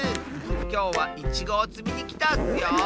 きょうはイチゴをつみにきたッスよ！